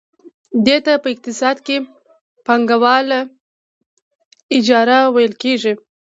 دې ته په اقتصاد کې پانګواله اجاره ویل کېږي